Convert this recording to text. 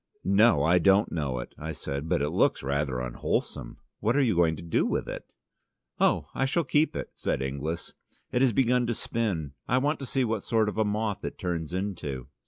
"No, I don't know it," I said, "but it looks rather unwholesome. What are you going to do with it?" "Oh, I shall keep it," said Inglis. "It has begun to spin: I want to see what sort of a moth it turns into."